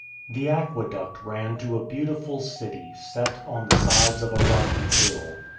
The aqueduct ran to a beautiful city, set on the sides of a rocky hill.